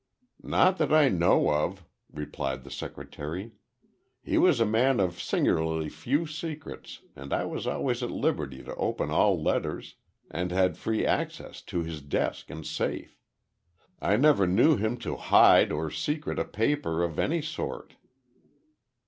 "Not that I know of," replied the secretary. "He was a man of singularly few secrets, and I was always at liberty to open all letters, and had free access to his desk and safe. I never knew him to hide or secrete a paper of any sort."